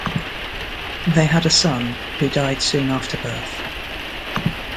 They had a son, who died soon after birth.